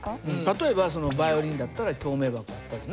例えばバイオリンだったら共鳴箱あったよね。